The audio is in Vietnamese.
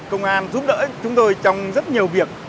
công an giúp đỡ chúng tôi trong rất nhiều việc